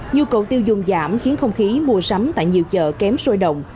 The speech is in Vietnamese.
nhu cầu tiêu dùng giảm khiến không khí mua sắm tại nhiều chợ kém sôi động